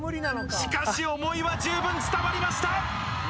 しかし思いは十分伝わりました。